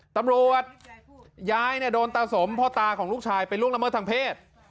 ตำรวจยายเนี่ยโดนตาสมพ่อตาของลูกชายไปล่วงละเมิดทางเพศ